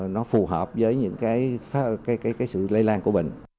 nó phù hợp với sự lây lan của bệnh